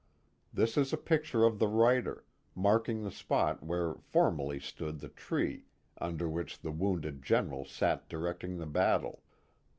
Tliis is a picture of the writer, marking llie spot where formerly stood the treo under which the wounded General sat directing the battle.